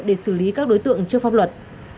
để xử lý các đối tượng chưa phong luật